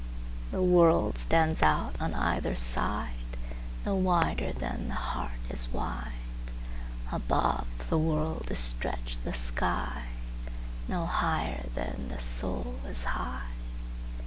The world stands out on either sideNo wider than the heart is wide; Above the world is stretched the sky,—No higher than the soul is high.